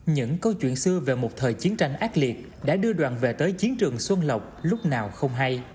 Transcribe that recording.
những câu chuyện xưa về một thời chiến tranh ác liệt đã đưa đoàn về tới chiến trường xuân lộc lúc nào không hay